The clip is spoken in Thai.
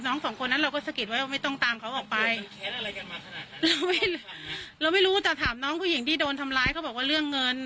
สองคนนั้นเราก็สะกิดไว้ว่าไม่ต้องตามเขาออกไปขนาดเราไม่รู้เราไม่รู้แต่ถามน้องผู้หญิงที่โดนทำร้ายเขาบอกว่าเรื่องเงิน